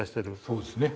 そうですね。